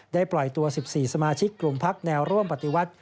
ได้ปล่อยตัว๑๔สมาชิกกรุงพลักษณ์แนวร่วมปฏิวัติ